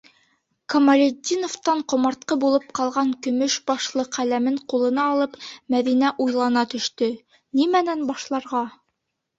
Камалетдиновтан ҡомартҡы булып ҡалған көмөш башлы ҡәләмен ҡулына алып, Мәҙинә уйлана төштө: нимәнән башларға?